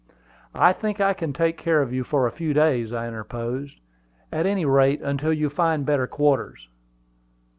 "I think I can take care of you for a few days," I interposed; "at any rate, until you find better quarters."